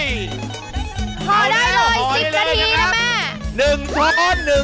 พอได้เลย๑๐นาทีนะแม่